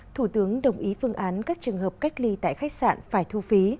thủ tướng đồng ý phương án các trường hợp cách ly tại khách sạn phải thu phí